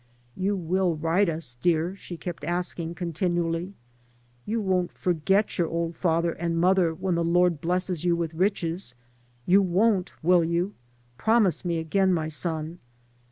"You will write us, dear?" she kept asking continually. "You won't forget your old father and mother when the Lord blesses you with riches. You won't, will you? Promise me again, my son.